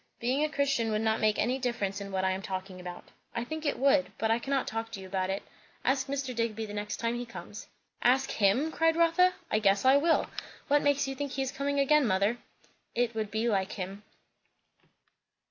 "Being a Christian would not make any difference in what I am talking about." "I think it would; but I cannot talk to you about it, Ask Mr. Digby the next time he comes." "Ask him!" cried Rotha. "I guess I will! What makes you think he is coming again, mother?" "It would be like him."